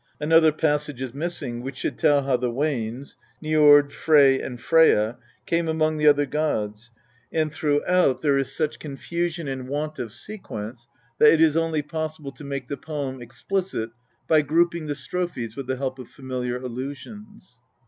Another passage is missing which should tell how the Wanes Njord, Frey, and Freyja came among the other gods, and throughout LiV THE POETIC EDDA. there is such confusion and want of sequence that it is only possible to make the poem explicit by grouping the strophes with the help of familiar allusions.